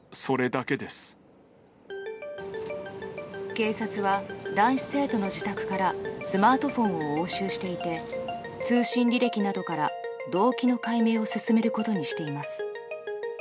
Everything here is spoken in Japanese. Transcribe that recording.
警察は男子生徒の自宅からスマートフォンを押収していて通信履歴などから動機の解明を進めることにしています。